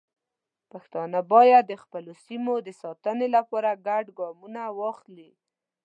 پښتانه باید د خپلو سیمو د ساتنې لپاره ګډ ګامونه واخلي.